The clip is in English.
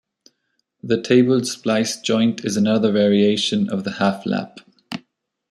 The tabled splice joint is another variation of the half lap.